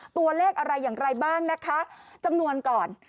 ตัวเลขอะไรอย่างไรบ้างนะคะจำนวนก่อน